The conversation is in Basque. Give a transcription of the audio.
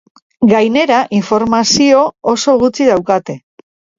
Gainera, informazio oso gutxi daukate.